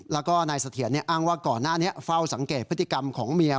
แล้วก็นายเสถียรอ้างว่าก่อนหน้านี้เฝ้าสังเกตพฤติกรรมของเมีย